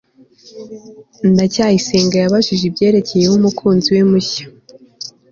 ndacyayisenga yabajije j ibyerekeye umukunzi we mushya